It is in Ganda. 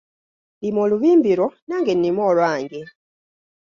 Lima olubimbi lwo nange nnime olwange.